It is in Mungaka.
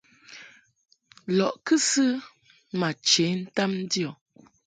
Lɔʼ ndib kɨsɨ ma che ntam ndio.